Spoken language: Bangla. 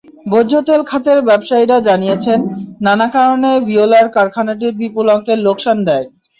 ভোজ্যতেল খাতের ব্যবসায়ীরা জানিয়েছেন, নানা কারণে ভিওলার কারখানাটি বিপুল অঙ্কের লোকসান দেয়।